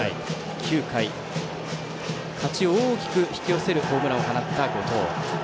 ９回、勝ちを大きく引き寄せるホームランを放った後藤。